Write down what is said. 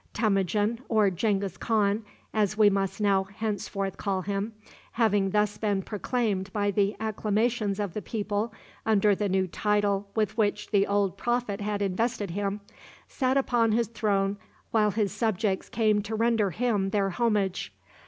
Temujin, or Genghis Khan, as we must now henceforth call him, having thus been proclaimed by the acclamations of the people under the new title with which the old prophet had invested him, sat upon his throne while his subjects came to render him their homage.